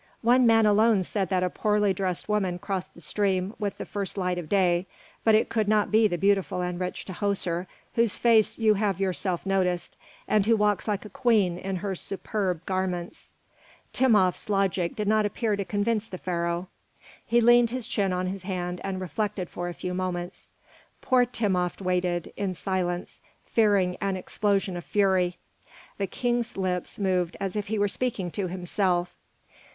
One man alone said that a poorly dressed woman crossed the stream with the first light of day; but it could not be the beautiful and rich Tahoser, whose face you have yourself noticed, and who walks like a queen in her superb garments." Timopht's logic did not appear to convince the Pharaoh. He leaned his chin on his hand and reflected for a few moments. Poor Timopht waited in silence, fearing an explosion of fury. The King's lips moved as if he were speaking to himself.